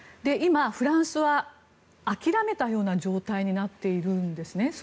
今、フランスは諦めたような状態になっているんですね。